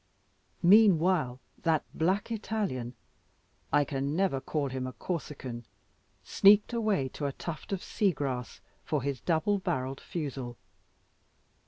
Meanwhile, that black Italian, I can never call him a Corsican, sneaked away to a tuft of sea grass for his double barrelled fusil.